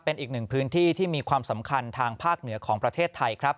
เป็นอีกหนึ่งพื้นที่ที่มีความสำคัญทางภาคเหนือของประเทศไทยครับ